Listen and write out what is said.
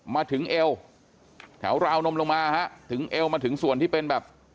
มาถึงเอวแถวราวนมลงมาฮะถึงเอวมาถึงส่วนที่เป็นแบบ